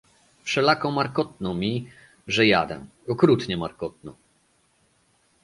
"Wszelako markotno mi, że jadę, okrutnie markotno."